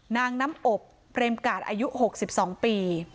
นางน้ำอบเพรมกาศอายุหกสิบสองปี